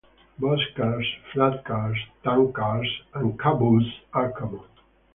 Boxcars, flat cars, tank cars and cabooses are common.